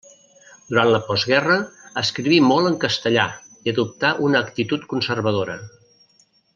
Durant la postguerra escriví molt en castellà i adoptà una actitud conservadora.